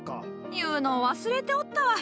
言うのを忘れておったわい。